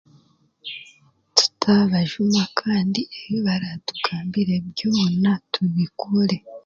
Tutaabajuma kandi ebi baratugambire byona tubikore